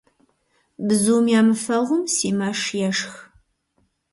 Бзум ямыфэгъум си мэш ешх.